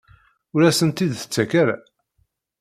Ur asen-t-id-tettak ara?